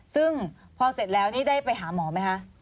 ซึ่งพอเสร็จแล้วนี่ได้ไปหาหมอไหมคะ